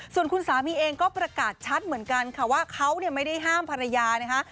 ส่วนคุณสามีเองก็ประกาศชัดเหมือนกันค่ะว่าเขาไม่ได้ห้ามภรรยานะคะ